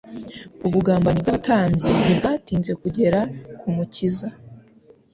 Ubugambanyi bw'abatambyi ntibwatinze kugera ku Mukiza.